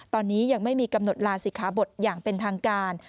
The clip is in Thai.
ตอนนี้ยังไม่มีกำหนดลาศิขาบทอย่างเป็นทางการ